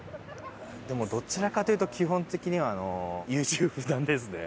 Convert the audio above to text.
でもどちらかというと基本的にはあの優柔不断ですね。